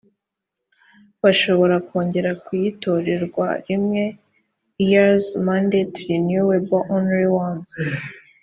bashobora kongera kuyitorerwa rimwe years mandate renewable only once